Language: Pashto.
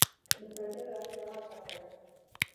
د پردیو عقیده ماته کړه.